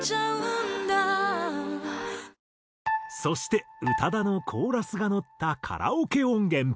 そして宇多田のコーラスがのったカラオケ音源。